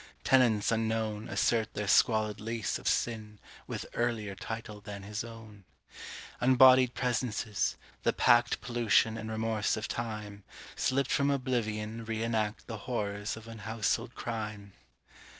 Tenants unknown Assert their squalid lease of sin With earlier title than his own. Unbodied presences, the packed Pollution and remorse of Time, Slipped from oblivion reenact The horrors of unhouseld crime.